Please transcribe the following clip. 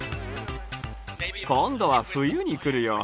今度は冬に来るよ。